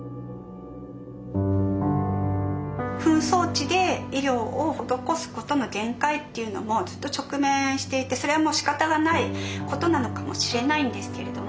紛争地で医療を施すことの限界っていうのもずっと直面していてそれはもうしかたがないことなのかもしれないんですけれども。